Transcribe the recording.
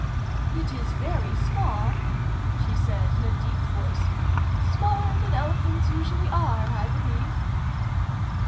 " It is very small," she said in a deep voice. " Smaller than elephants usually are, I believe